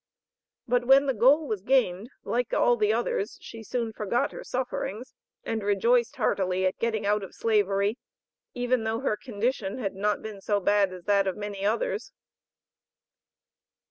But when the goal was gained, like all others, she soon forgot her sufferings, and rejoiced heartily at getting out of Slavery, even though her condition had not been so bad as that of many others.